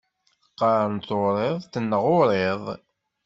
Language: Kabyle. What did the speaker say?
Qqaṛen turiḍt neɣ uriḍ.